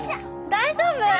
大丈夫？